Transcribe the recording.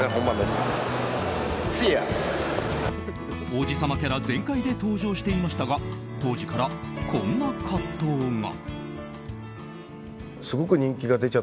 王子様キャラ全開で登場していましたが当時から、こんな葛藤が。